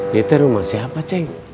dt rumah siapa ceng